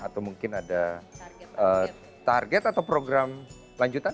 atau mungkin ada target atau program lanjutan